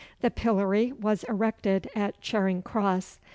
The pillory was erected at Charing Cross.